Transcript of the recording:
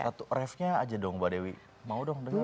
satu refnya aja dong mbak dewi mau dong denger